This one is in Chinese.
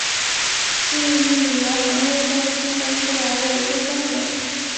是旅游行业中细分出来的一个概念。